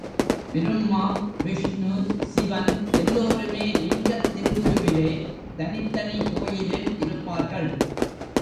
பிரும்மா, விஷ்ணு, சிவன் எல்லோருமே லிங்கத் திருவுருவிலே தனித் தனி கோயிலில் இருப்பார்கள்.